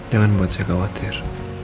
jangan buat saya khawatir